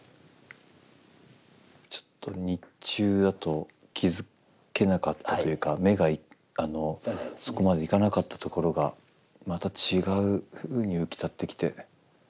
ちょっと日中だと気付けなかったというか目がそこまでいかなかったところがまた違うふうに浮き立ってきて。